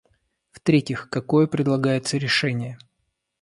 В-третьих, какое предлагается решение?